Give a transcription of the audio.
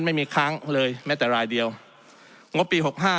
ไม่มีค้างเลยแม้แต่รายเดียวงบปีหกห้า